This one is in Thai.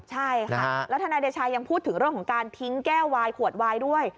ใช่ค่ะแล้วทนายเดชายังพูดถึงเรื่องของการทิ้งแก้ววายขวดวายด้วย